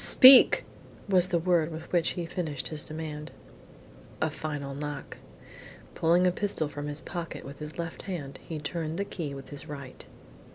"Speak!" was the word with which he finished his demand. A final knock. Pulling a pistol from his pocket, with his left hand, he turned the key with his right.